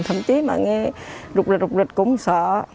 thậm chí mà nghe rục rịch rục rịch cũng sợ